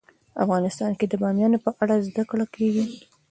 افغانستان کې د بامیان په اړه زده کړه کېږي.